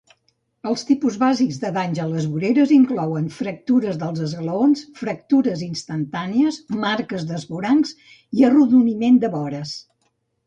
Els tipus bàsics de danys a les vores inclouen fractures dels esglaons, fractures instantànies, marques d'esvorancs i arrodoniment de vores.